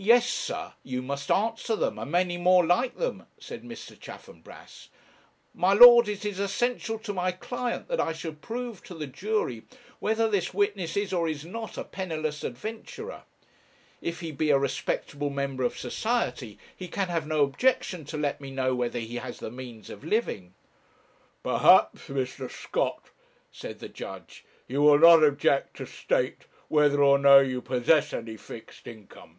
'Yes, sir; you must answer them, and many more like them,' said Mr. Chaffanbrass. 'My lord, it is essential to my client that I should prove to the jury whether this witness is or is not a penniless adventurer; if he be a respectable member of society, he can have no objection to let me know whether he has the means of living.' 'Perhaps, Mr. Scott,' said the judge, 'you will not object to state whether or no you possess any fixed income.'